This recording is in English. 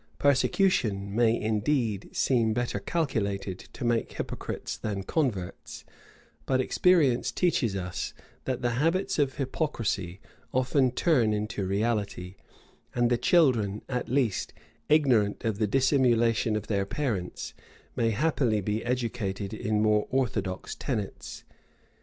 Persecution may, indeed, seem better calculated to make hypocrites than converts; but experience teaches us, that the habits of hypocrisy often turn into reality; and the children, at least, ignorant of the dissimulation of their parents, may happily be educated in more orthodox tenets.